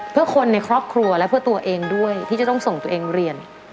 เพื่อคนในครอบครัวและเพื่อตัวเองด้วยที่จะต้องส่งตัวเองเรียน